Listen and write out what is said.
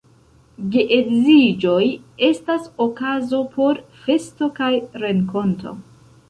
Geedziĝoj estas okazo por festo kaj renkonto.